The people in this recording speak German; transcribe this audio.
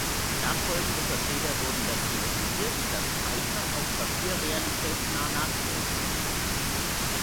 Nachfolgende Vertreter wurden dazu optimiert, das Zeichnen auf Papier realitätsnah nachzuempfinden.